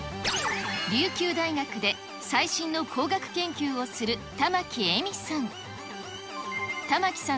琉球大学で最新の工学研究をする玉城絵美さん。